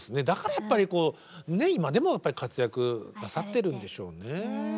だからやっぱりね今でも活躍なさってるんでしょうね。